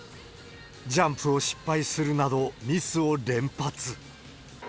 ジャンプを失敗するなどミスを連発。